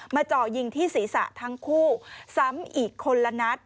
เจาะยิงที่ศีรษะทั้งคู่ซ้ำอีกคนละนัด